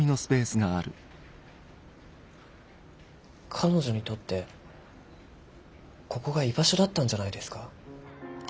彼女にとってここが居場所だったんじゃないですか？